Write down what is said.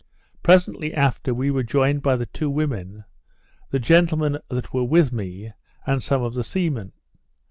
Presently after, we were joined by the two women, the gentlemen that were with me, and some of the seamen.